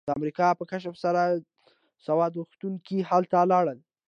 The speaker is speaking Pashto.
د امریکا په کشف سره ځینې سود غوښتونکي هلته لاړل